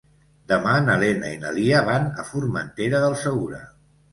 Demà na Lena i na Lia van a Formentera del Segura.